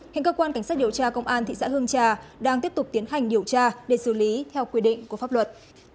hiện cơ quan cảnh sát điều tra công an thị xã hương trà đang tiếp tục tiến hành điều tra để xử lý theo quy định của pháp luật